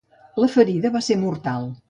La ferida va ser mortal.